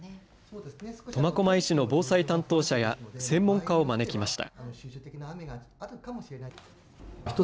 苫小牧市の防災担当者や専門家を招きました。